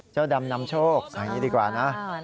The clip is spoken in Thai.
เจ้าดำนำโชคใส่อย่างนี้ดีกว่านะ